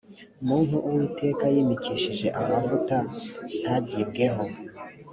muntu uwiteka yimikishije amavuta ntagibweho